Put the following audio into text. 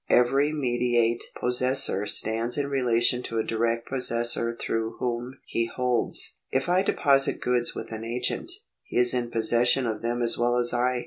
Every mediate possessor stands in relation to a direct possessor through whom he holds. If I deposit goods with an agent, he is in possession of them as well as I.